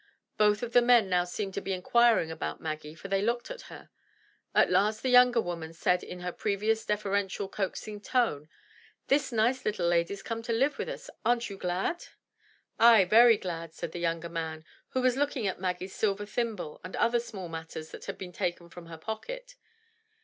Both of the men now seemed to be inquiring about Maggie for they looked at her. At last the younger woman said in her previous deferential, coaxing tone, — "This nice little lady's come to live with us; aren't you glad?" "Ay, very glad,*' said the younger man, who was looking at Maggie's silver thimble and other small matters that had been taken from her pocket.